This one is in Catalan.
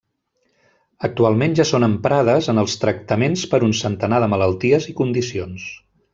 Actualment ja són emprades en els tractaments per un centenar de malalties i condicions.